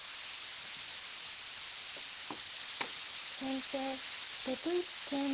先手６一桂成。